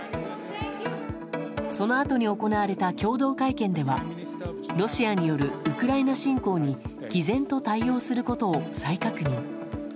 そのあとに行われた共同会見ではロシアによるウクライナ侵攻に毅然と対応することを再確認。